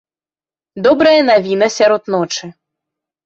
Добрая навіна сярод ночы.